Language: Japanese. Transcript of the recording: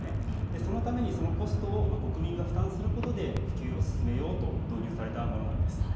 そのためにそのコストを国民が負担することで普及を進めようと導入されたものなんです。